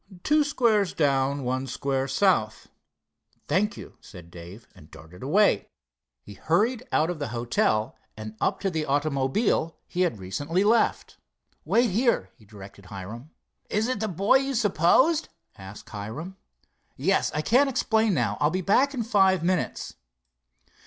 "Two squares down, one square south." "Thank you," said Dave, and darted away. He hurried out of the hotel and up to the automobile he had recently left. "Wait here," he directed Hiram. "Is it the boy you supposed?" asked Hiram. "Yes. I can't explain now. I'll be back in five minutes."